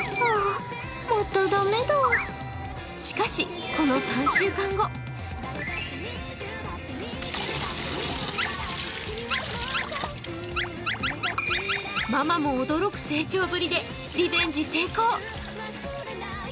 しかし、この３週間後ママも驚く成長ぶりでリベンジ成功。